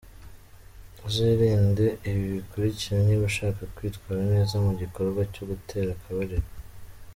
Uzirinde ibi bikurikira niba ushaka kwitwara neza mu gikorwa cyo gutera akabariro.